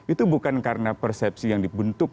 itu bukan karena persepsi yang dibentuk